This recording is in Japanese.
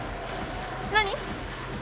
何？